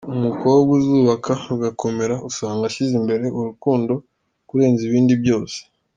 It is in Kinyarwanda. Umukobwa uzubaka rugakomera usanga ashyize imbere urukundo kurenza ibindi byose.